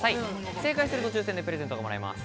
正解すると抽選でプレゼントがもらえます。